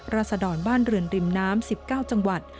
ราศดรบ้านเรือนริมน้ำ๑๙จังหวัด